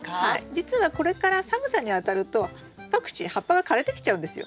実はこれから寒さにあたるとパクチー葉っぱが枯れてきちゃうんですよ。